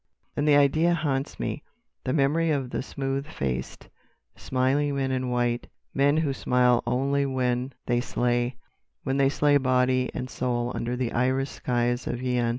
"... And the idea haunts me—the memory of those smooth faced, smiling men in white—men who smile only when they slay—when they slay body and soul under the iris skies of Yian!